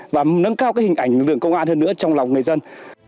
và nâng cao hình ảnh lực lượng công an hơn nữa trong lòng người dân